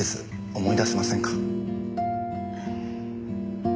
思い出せませんか？